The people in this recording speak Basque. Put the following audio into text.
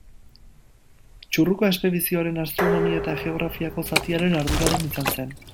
Txurruka espedizioaren astronomia eta geografiako zatiaren arduradun izan zen.